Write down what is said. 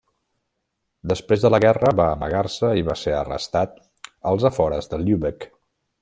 Després de la guerra va amagar-se i va ser arrestat als afores de Lübeck.